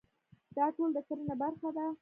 دا ټول د کرنې برخه ده.